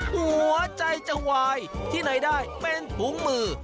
หัวใจจะวายที่ไหนได้เป็นถุงมือ